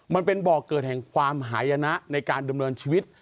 มันเป็นบ่อเกิดแห่งความหายนะในการดำเนินชีวิต